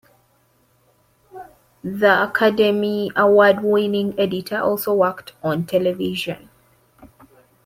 The Academy Award-winning editor also worked on television.